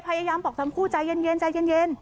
พยายามบอกทั้งคู่ใจเย็นท์ใจเย็นท์ใจเย็นท์